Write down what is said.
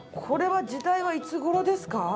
これは時代はいつ頃ですか？